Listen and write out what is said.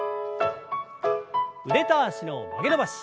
腕と脚の曲げ伸ばし。